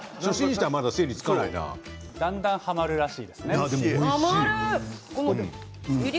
だんだんはまるみたいですよ。